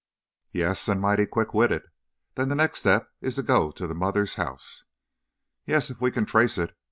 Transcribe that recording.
"Yes, and mighty quick witted. Then the next step is to go to the 'mother's' house." "Yes, if we can trace it.